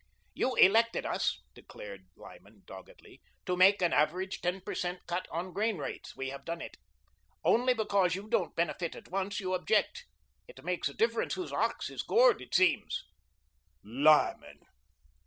"You elected us," declared Lyman doggedly, "to make an average ten per cent. cut on grain rates. We have done it. Only because you don't benefit at once, you object. It makes a difference whose ox is gored, it seems." "Lyman!"